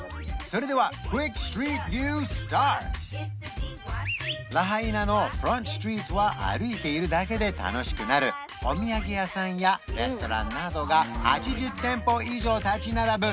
それではラハイナのフロントストリートは歩いているだけで楽しくなるお土産屋さんやレストランなどが８０店舗以上立ち並ぶ